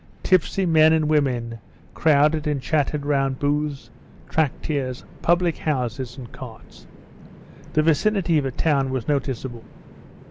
Tipsy men and women crowded and chattered round booths, traktirs, public houses and carts. The vicinity of a town was noticeable.